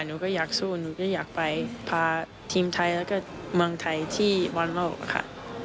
หนูก็อยากสู้หนูก็อยากไปพาทีมไทยแล้วก็เมืองไทยที่บอลโลกค่ะ